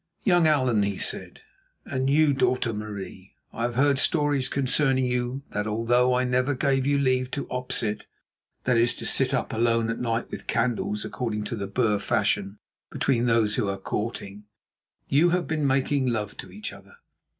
"Young Allan," he said, "and you, daughter Marie, I have heard stories concerning you that, although I never gave you leave to opsit" (that is, to sit up alone at night with candles, according to the Boer fashion between those who are courting), "you have been making love to each other."